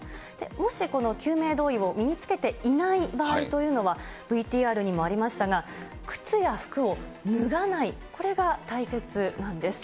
もしこの救命胴衣を身につけていない場合というのは、ＶＴＲにもありましたが、靴や服を脱がない、これが大切なんです。